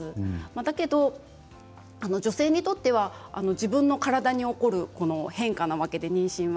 だけど女性にとっては自分の体に起こる変化なわけで妊娠は。